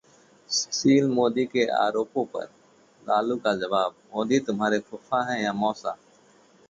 सुशील मोदी के आरोपों पर लालू का जवाब, 'मोदी तुम्हारे फूफा हैं या मौसा'?